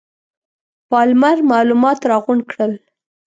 پالمر معلومات راغونډ کړل.